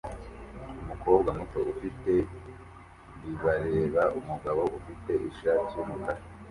Umukobwa muto ufite bib areba umugabo ufite ishati yumukara